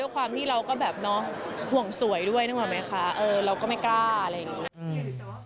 ความที่เราก็แบบเนาะห่วงสวยด้วยนึกออกไหมคะเราก็ไม่กล้าอะไรอย่างนี้